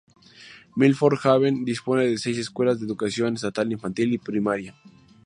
Milford Haven dispone de seis escuelas de educación estatal infantil y primaria.